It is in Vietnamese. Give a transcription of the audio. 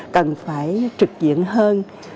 cần phải trực diện hơn